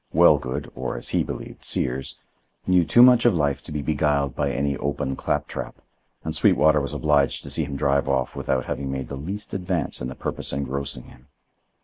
Wellgood, or, as he believed, Sears, knew too much of life to be beguiled by any open clap trap, and Sweetwater was obliged to see him drive off without having made the least advance in the purpose engrossing him.